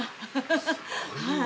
すごいわ。